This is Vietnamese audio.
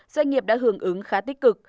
doanh nghiệp đã hưởng ứng khá tích cực